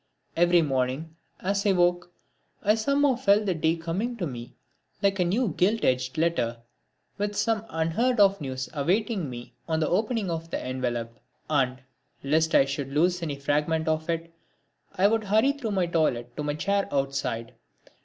Every morning, as I awoke, I somehow felt the day coming to me like a new gilt edged letter, with some unheard of news awaiting me on the opening of the envelope. And, lest I should lose any fragment of it, I would hurry through my toilet to my chair outside.